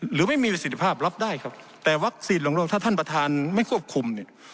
หรือไม่มีประสิทธิภาพรับได้ครับแต่วัคซีนของโลกถ้าท่านประธานไม่ควบคุมเนี่ย